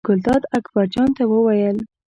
ګلداد اکبر جان ته وویل.